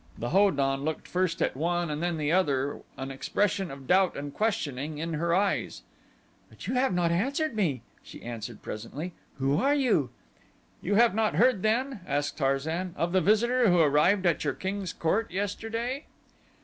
The Ho don looked first at one and then at the other an expression of doubt and questioning in her eyes. "But you have not answered me," she continued presently; "who are you?" "You have not heard then," asked Tarzan, "of the visitor who arrived at your king's court yesterday?"